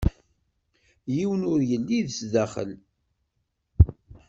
Yiwen ur yelli zdaxel.